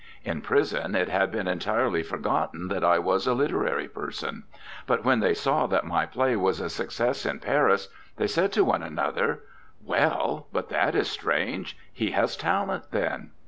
In prison, it had been entirely forgotten that I was a literary person, but when they saw that my play was a success in Paris, they said to one another, "Well, but that is strange; he has talent, then."